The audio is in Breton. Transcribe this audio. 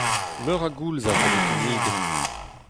Meur a goulzad a vez kinniget.